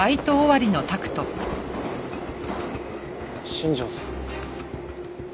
新庄さん。